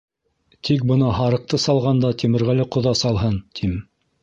— Тик бына һарыҡты салғанда Тимерғәле ҡоҙа салһын, тим.